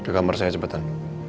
ke kamar saya cepetan